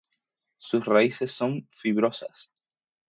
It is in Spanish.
Sus raíces son fibrosas.